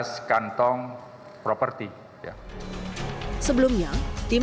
dvi juga menerima sebelas kantong properti ya sebelumnya tim dvi juga menerima sebelas kantong properti ya sebelumnya tim